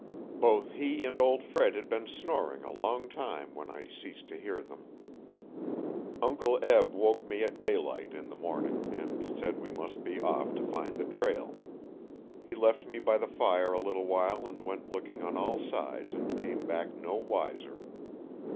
Both he and old Fred had been snoring a long time when I ceased to hear them. Uncle Eb woke me at daylight, in the morning, and said we must be off to find the trail. He left me by the fire a little while and went looking on all sides and came back no wiser.